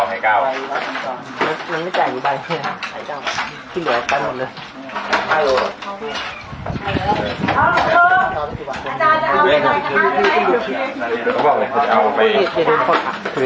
น้องไม่จ่ายหรือเปล่าให้ก้าว